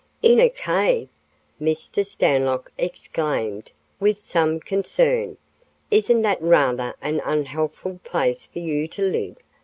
"In a cave!" Mr. Stanlock exclaimed with some concern. "Isn't that rather an unhealthful place for you to live?